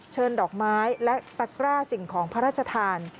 ดอกไม้และตะกร้าสิ่งของพระราชทาน